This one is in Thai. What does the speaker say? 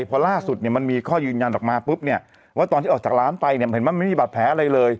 พอล่าสุดเนี่ยมันมีข้อยืนยันออกมาปุ๊บเนี่ยว่าตอนที่ออกจากร้านไปเนี่ยเห็นไหมไม่มีบาดแผลอะไรเลย